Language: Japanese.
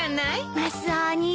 マスオお兄さん